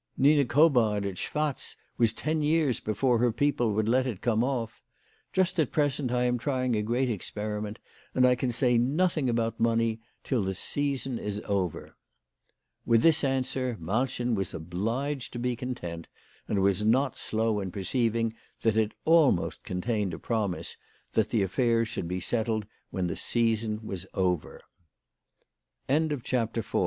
" Nina Cobard at Schwatz was ten years before her people would let it come off. Just at present I am trying a great experiment, and I can say nothing about money till the season is over/' "With this answer Malchen was obliged to be content, and was not slow in perceiving that it almost contained a promise that the affairs should be sett